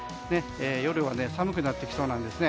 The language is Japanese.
夜は寒くなってきそうなんですね。